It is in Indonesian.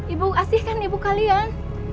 ibu kasih kan ibu kalian